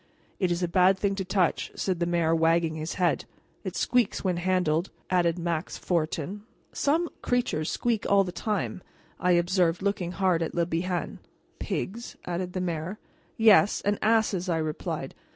"It is a bad thing to touch," said the mayor wagging his head. "It squeaks when handled," added Max Fortin. "Some creatures squeak all the time," I observed, looking hard at Le Bihan. "Pigs," added the mayor. "Yes, and asses," I replied.